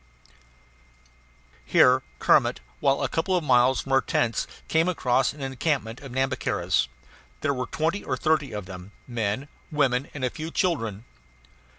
Here Kermit, while a couple of miles from our tents, came across an encampment of Nhambiquaras. There were twenty or thirty of them men, women, and a few children.